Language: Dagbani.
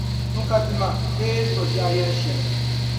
n ka dima bee zuɣubiɛɣu yɛl’ shɛli.